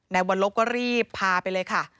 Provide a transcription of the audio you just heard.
วันลบก็รีบพาไปเลยค่ะ